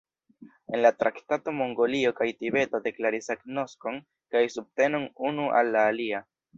En la traktato Mongolio kaj Tibeto deklaris agnoskon kaj subtenon unu al la alia.